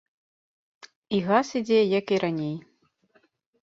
І газ ідзе як і раней.